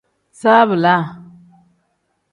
Zabiila.